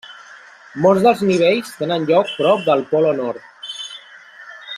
Molts dels nivells tenen lloc prop del Polo Nord.